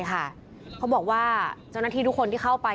เขาบอกว่าเจ้าหน้าที่ทุกคนที่เข้าไป